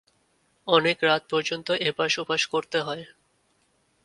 অনেক রাত পর্যন্ত এপাশ-ওপাশ করতে হয়।